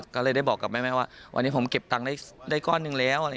ก็เลยได้บอกกับแม่ว่าวันนี้ผมเก็บตังค์ได้ก้อนหนึ่งแล้ว